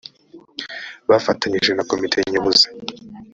bafatanyije na komite nyobozi